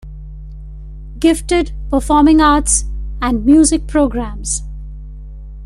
Gifted, Performing Arts, and Music Programs.